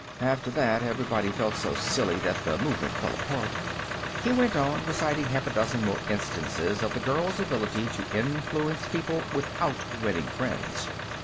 After that, everybody felt so silly that the movement fell apart." He went on, reciting half a dozen more instances of the girl's ability to influence people without winning friends.